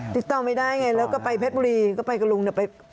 ติดต่อไม่ได้ไงแล้วก็ไปเพชรบุรีก็ไปกับลุงเนี่ยไป